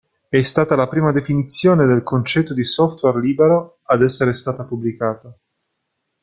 È stata la prima definizione del concetto di software libero ad essere stata pubblicata.